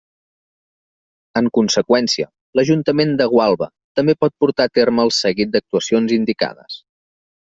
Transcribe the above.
En conseqüència, l'Ajuntament de Gualba també pot portar a terme el seguit d'actuacions indicades.